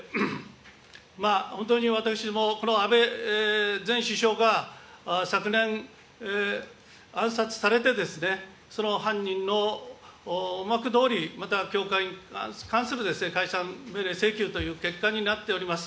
本当に私ども、この安倍前首相が昨年、暗殺されてですね、その犯人の思惑どおり、また教会に関する解散命令請求という結果になっております。